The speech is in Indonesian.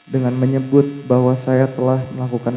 dengan menyebut bahwa saya telah melakukan